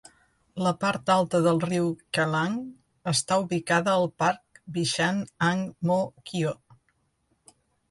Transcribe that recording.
La part alta del riu Kallang està ubicada al parc Bishan-Ang Mo Kio.